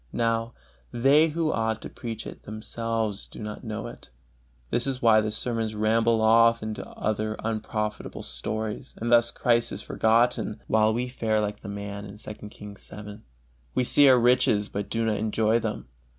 Now, they who ought to preach it, themselves do not know it. This is why the sermons ramble off into other unprofitable stories, and thus Christ is forgotten, while we fare like the man in II. Kings vii: we see our riches but do not enjoy them.